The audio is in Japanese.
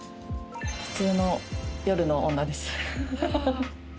普通の夜の女です。